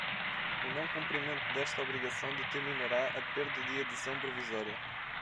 O não cumprimento desta obrigação determinará a perda de adesão provisória.